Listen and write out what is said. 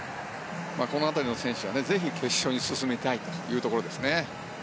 この辺りの選手はぜひ決勝に進みたいというところですね。